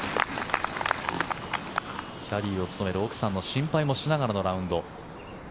キャディーを務める奥さんの心配をしながらのラウンド。